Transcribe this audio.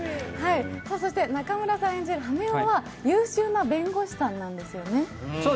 そして中村さん演じる羽男は優秀な弁護士さんなんですよね。